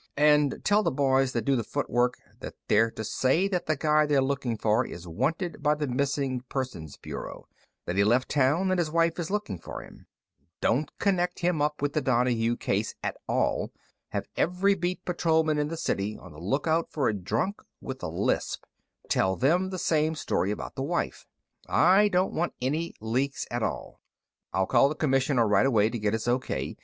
"And tell the boys that do the footwork that they're to say that the guy they're looking for is wanted by the Missing Persons Bureau that he left home and his wife is looking for him. Don't connect him up with the Donahue case at all. Have every beat patrolman in the city on the lookout for a drunk with a lisp, but tell them the same story about the wife; I don't want any leaks at all. "I'll call the Commissioner right away to get his O.K.